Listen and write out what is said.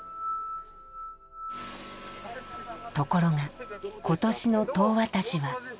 ところが今年の当渡しは。